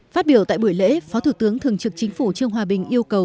phát biểu tại buổi lễ phó thủ tướng thường trực chính phủ trương hòa bình yêu cầu